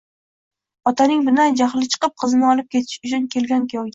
Otaning bundan jahli chiqib, qizini olib ketish uchun kelgan kuyoviga